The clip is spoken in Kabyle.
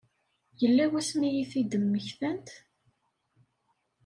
Yella wasmi i t-id-mmektant?